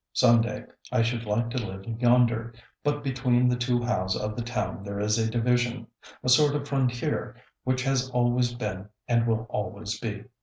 Some day I should like to live yonder; but between the two halves of the town there is a division a sort of frontier, which has always been and will always be.